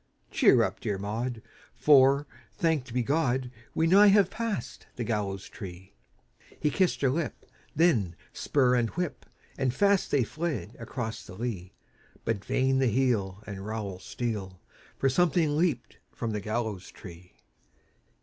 "Cheer up, dear Maud, for, thanked be God, We nigh have passed the gallows tree!" He kissed her lip; then spur and whip! And fast they fled across the lea! But vain the heel and rowel steel, For something leaped from the gallows tree!